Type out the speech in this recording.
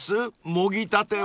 もぎたては］